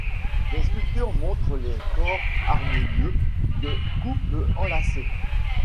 Des sculptures montrent les corps harmonieux de couples enlacés.